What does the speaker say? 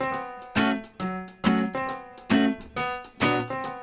อันนี้ใส่ผักนะฮะ